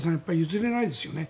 譲れないですよね。